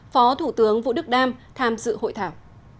phó thủ tướng vũ đức đam tham dự hội thảo